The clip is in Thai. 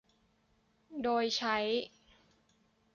โดยใช้